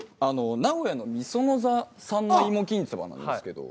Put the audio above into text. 名古屋の御園座さんの芋きんつばなんですけど。